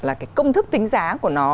là công thức tính giá của nó